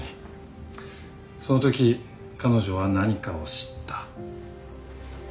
そのとき彼女は何かを知った。